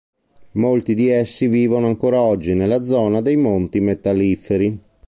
Molti di essi vivono ancora oggi nella zona dei Monti Metalliferi.